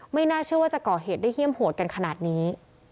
ไม่น่าเชื่อว่าจะก่อเหตุได้เยี่ยมโหดกันขนาดนี้